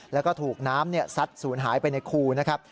แล้วก็ถูกน้ำซัดศูนย์หายไปในคูนะครับ